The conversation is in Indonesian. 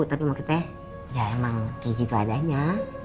tapi emang kayak gitu adanya